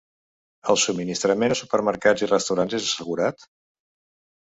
El subministrament a supermercats i restaurants és assegurat?